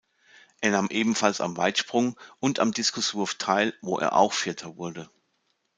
Er nahm ebenfalls am Weitsprung und am Diskuswurf teil, wo er auch Vierter wurde.